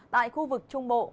tại khu vực trung bộ